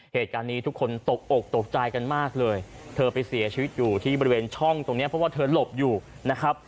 เหตุการณ์นี้ทุกคนตกอกตกใจกันมากเลยเธอไปเสียชีวิตอยู่ที่บริเวณช่องตรงเนี้ยเพราะว่าเธอหลบอยู่นะครับ